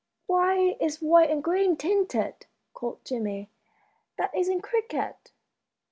"Why, it's white and green tinted," called Jimmie. "That isn't a cricket."